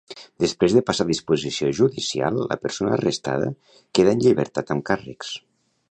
Després de passar a disposició judicial, la persona arrestada queda en llibertat amb càrrecs.